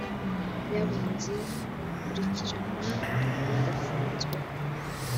y abunzi bakurikiranwa badafunzwe